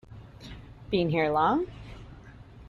Been here long?